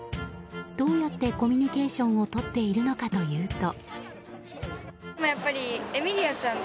どうやってコミュニケーションをとっているのかというと。